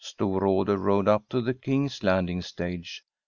Storrade rowed up to the King's Landing Stage.